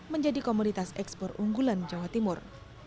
menjadi komoditas ekspor unggulan jawa timur